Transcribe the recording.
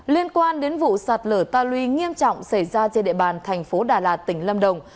liên quan đến vụ sạt lở ta luy nghiêm trọng xảy ra trên địa bàn thành phố đà lạt tỉnh lâm đồng